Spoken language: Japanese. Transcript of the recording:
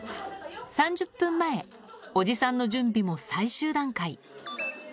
３０分前、おじさんの準備も最終段階。